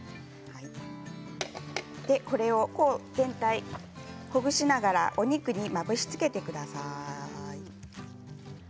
これを全体ほぐしながらお肉にまぶしつけてください。